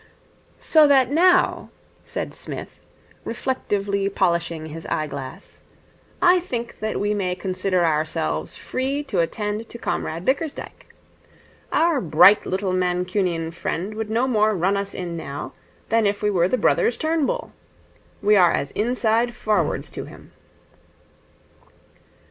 'So that now,' said Psmith, reflectively polishing his eye glass, 'I think that we may consider ourselves free to attend to Comrade Bickersdyke. Our bright little Mancunian friend would no more run us in now than if we were the brothers Turnbull. We are as inside forwards to him.'